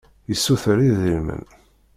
Yessuter idrimen.